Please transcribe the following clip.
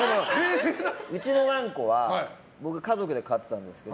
うちのワンコは僕、家族で飼ってたんですけど